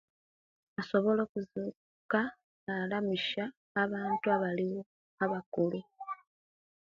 Asobola okuzu... ka nalamusia abantu abaliwo abakulu